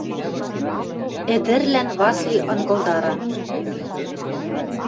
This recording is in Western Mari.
Ӹдӹрлӓн Васли ынгылдара.